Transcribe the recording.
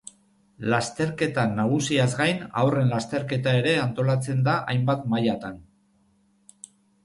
Lasterketa nagusiaz gain haurren lasterketa ere antolatzen da hainbat mailatan.